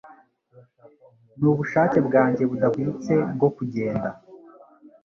n'ubushake bwanjye budahwitse bwo kugenda